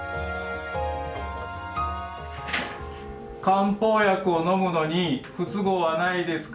漢方薬をのむのに不都合はないですか？